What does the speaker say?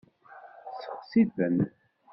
Sexsi-ten.